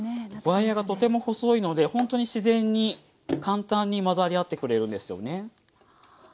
ワイヤーがとても細いのでほんとに自然に簡単に混ざり合ってくれるんですよね。